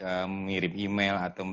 mengirim email atau